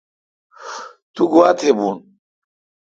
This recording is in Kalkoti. تو گوا تھ بھو۔